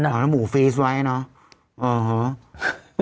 แล้วหมูฟรีสไว้เนอะ